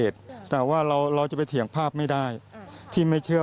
แต่ว่าเราจะไปเถียงภาพไม่ได้ที่ไม่เชื่อ